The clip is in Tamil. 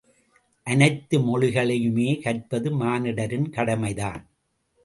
அனைத்து மொழிகளையுமே கற்பது மானிடரின் கடமைதான்!